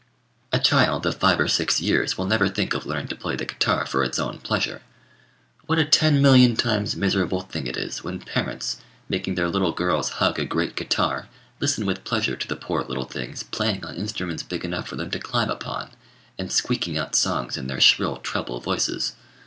A child of five or six years will never think of learning to play the guitar for its own pleasure. What a ten million times miserable thing it is, when parents, making their little girls hug a great guitar, listen with pleasure to the poor little things playing on instruments big enough for them to climb upon, and squeaking out songs in their shrill treble voices!